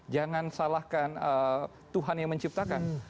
jangan salahkan tuhan yang menciptakan